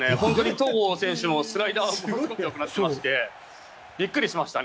戸郷選手もスライダー、よくなってましてびっくりしましたね。